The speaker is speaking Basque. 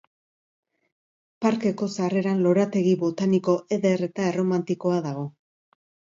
Parkeko sarreran lorategi botaniko eder eta erromantikoa dago.